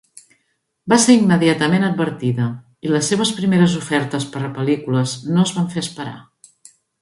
Va ser immediatament advertida, i les seves primeres ofertes per a pel·lícules no es van fer esperar